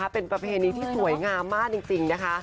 เป็นประเพณีที่สวยงามมากจริงนะคะ